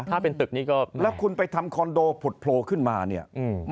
ถ้าเป็นตึกนี้ก็แล้วคุณไปทำคอนโดผุดโพลขึ้นมาเนี่ย